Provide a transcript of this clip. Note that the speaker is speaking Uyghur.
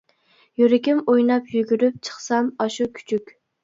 يۈرىكىم ئويناپ يۈگۈرۈپ چىقسام، ئاشۇ كۈچۈك!